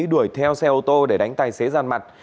đuổi theo xe ô tô để đánh tài xế giàn mặt